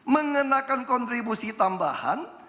mengenakan kontribusi tambahan